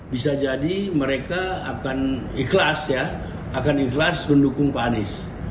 bisa jadi mereka akan ikhlas ya akan ikhlas mendukung pak anies